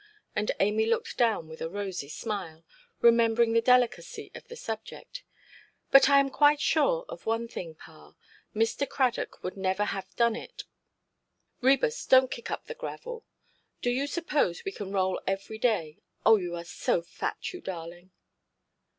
And Amy looked down with a rosy smile, remembering the delicacy of the subject. "But I am quite sure of one thing, pa: Mr. Cradock would never have done it. Ræbus, donʼt kick up the gravel. Do you suppose we can roll every day? Oh, you are so fat, you darling"!